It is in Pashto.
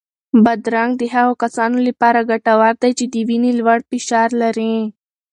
بادرنګ د هغو کسانو لپاره ګټور دی چې د وینې لوړ فشار لري.